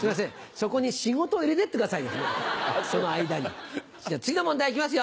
そこに仕事を入れてってくださいよ。